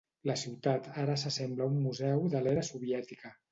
La ciutat ara s'assembla a un museu de l'era soviètica.